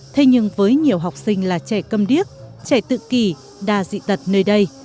thế nhưng với nhiều học sinh là trẻ cầm điếc trẻ tự kỳ đa dị tật nơi đây